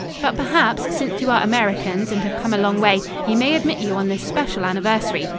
But perhaps, since you are Americans and have come a long way, he may admit you on this special anniversary.